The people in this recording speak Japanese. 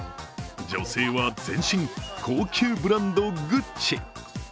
女性は全身、高級ブランド・グッチ。